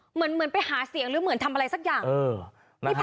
เหมือนไปหาเสียงหรือเหมือนทำอะไรสักอย่าง